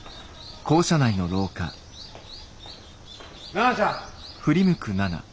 奈々ちゃん。